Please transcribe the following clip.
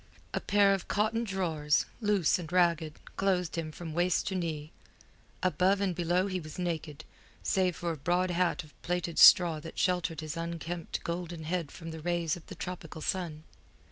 A pair of cotton drawers, loose and ragged, clothed him from waist to knee; above and below he was naked, save for a broad hat of plaited straw that sheltered his unkempt golden head from the rays of the tropical sun.